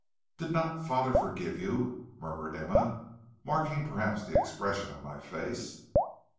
"'Did not father forgive you?' murmured Emma, marking perhaps the expression of my face.